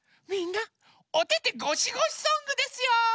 みんな「おててごしごしソング」ですよ！